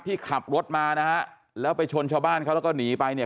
ที่ขับรถมานะฮะแล้วไปชนชาวบ้านเขาแล้วก็หนีไปเนี่ย